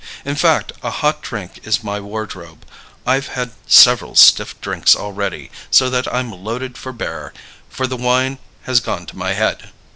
In fact, a hot drink is my wardrobe. I've had several stiff drinks already, so that I'm loaded for bear; for the wine has gone to my head."